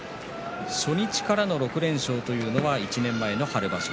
初日からの６連勝というのは１年前の春場所。